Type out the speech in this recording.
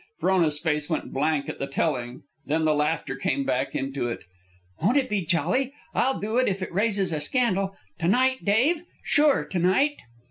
Frona's face went blank at the telling, then the laughter came back into it. "Won't it be jolly? I'll do it if it raises a scandal. To night, Dave? Sure to night?"